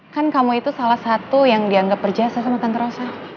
kan kamu itu salah satu yang dianggap berjasa sama tante rosa